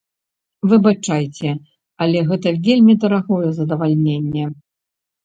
Выбачайце, але гэта вельмі дарагое задавальненне!